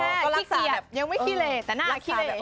ก็ขี้เกียบยังไม่ขี้เหลแต่หน้าขี้เหล